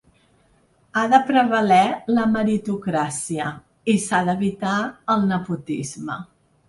Ha de prevaler la meritocràcia i s’ha d’evitar el nepotisme.